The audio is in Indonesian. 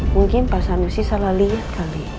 mungkin pak sanusi salah lihat kali